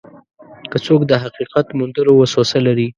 که څوک د حقیقت موندلو وسوسه لري.